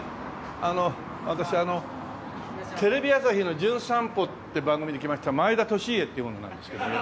あの私あのテレビ朝日の『じゅん散歩』って番組で来ました前田利家っていう者なんですけどね。